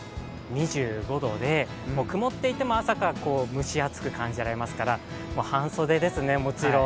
２５度で曇っていても朝から蒸し暑く感じられますから半袖ですね、もちろん。